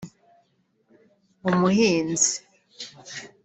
Umuhinzi